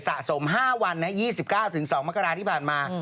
สะสม๕วัน๒๙๒มกราที่ผ่านมา